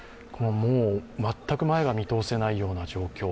全く前が見通せないような状況。